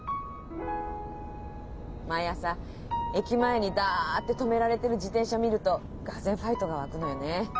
毎朝駅前にダッて止められてる自転車見るとがぜんファイトがわくのよねえ。